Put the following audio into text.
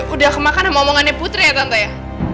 udah kemakan sama omongannya putri ya tante ya